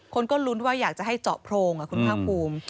คนก็ลุ้นว่าอยากจะให้เจาะโพรงคุณภาคภูมิ